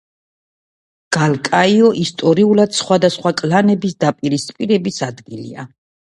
გალკაიო ისტორიულად სხვადასხვა კლანების დაპირისპირების ადგილია.